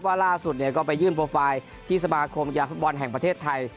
ว่าร่าสุดก็ไปยื่นโปรไฟล์ที่สมาคมยางฝั่งมันแห่งประเทศไทย